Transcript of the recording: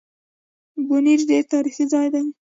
بونېر ډېر تاريخي ځای دی